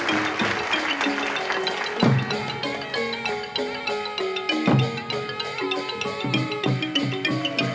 อ่าอ่าอ่า